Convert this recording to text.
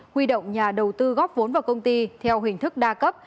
huy động nhà đầu tư góp vốn vào công ty theo hình thức đa cấp